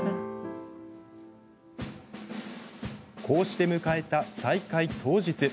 こうして迎えた再開当日。